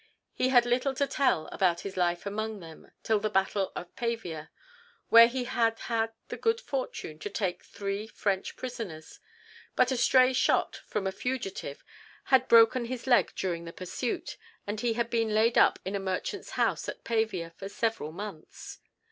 He had little to tell about his life among them till the battle of Pavia, where he had had the good fortune to take three French prisoners; but a stray shot from a fugitive had broken his leg during the pursuit, and he had been laid up in a merchant's house at Pavia for several months.